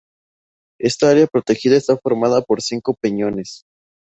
Está área protegida esta formada por cinco peñones.